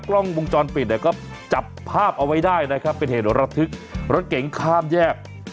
กล้องวงจรปิดเนี่ยก็จับภาพเอาไว้ได้นะครับเป็นเหตุระทึกรถเก๋งข้ามแยก